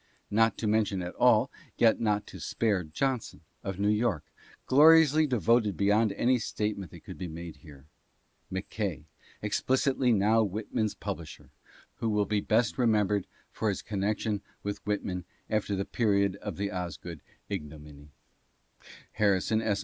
Not to mention all, yet not to spare Johnston, of New York, gloriously devoted beyond any statement that could be made here ; McKay, explicitly now Whitman's pub lisher, who will be best remembered for his connection with Whitman after the period of the Osgood ignominy ; Harrison S.